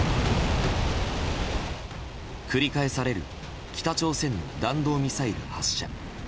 繰り返される北朝鮮の弾道ミサイル発射。